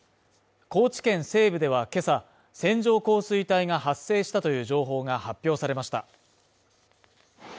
高知県西部ではけさ線状降水帯が発生したという情報が発表されました。